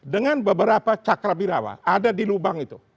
dengan beberapa cakrabirawa ada di lubang itu